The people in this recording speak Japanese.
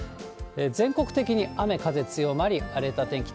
全国的に雨、風強まり、荒れた天気。